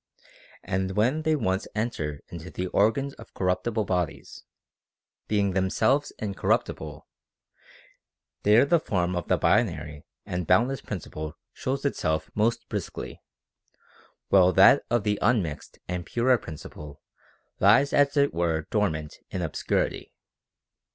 And when they once enter into the or gans of corruptible bodies, being themselves incorrupti ble, there the form of the binary and boundless principle shows itself most briskly, while that of the unmixed and purer principle lies as it were dormant in obscurity.